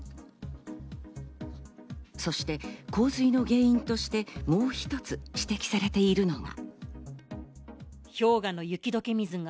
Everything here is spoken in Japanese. そして洪水の原因としてもう一つ指摘されているのは。